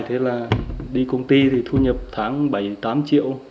thế là đi công ty thì thu nhập tháng bảy tám triệu